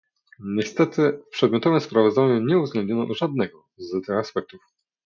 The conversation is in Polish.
Niestety w przedmiotowym sprawozdaniu nie uwzględniono żadnego z tych aspektów